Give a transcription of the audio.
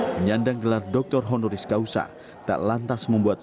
menyandang gelar doktor honoris causa tak lantas membuat